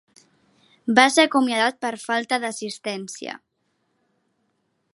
Va ser acomiadat per falta d'assistència.